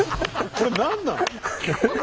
これ何なの？